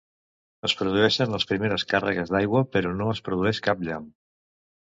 Es produeixen les primeres càrregues d'aigua, però no es produeix cap llamp.